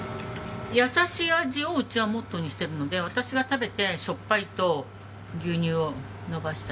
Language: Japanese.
優しい味をうちはモットーにしてるので私が食べてしょっぱいと牛乳をのばしたり。